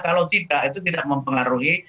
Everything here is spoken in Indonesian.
kalau tidak itu tidak mempengaruhi